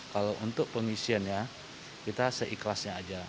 kalau untuk pengisiannya kita seikhlasnya aja